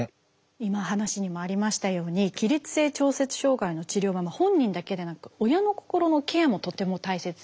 今話にもありましたように起立性調節障害の治療は本人だけでなく親の心のケアもとても大切になってきます。